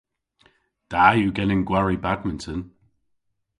Da yw genen gwari badminton.